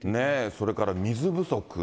それから水不足。